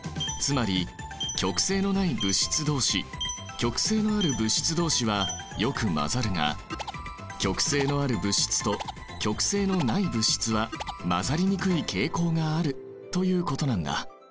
極性のある物質どうしはよく混ざるが極性のある物質と極性のない物質は混ざりにくい傾向があるということなんだ。